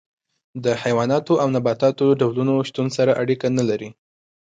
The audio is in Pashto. د حیواناتو او نباتاتو ډولونو شتون سره اړیکه نه لري.